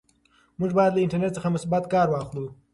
موږ باید له انټرنیټ څخه مثبت کار واخلو.